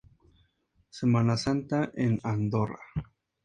Semana Santa en Andorra".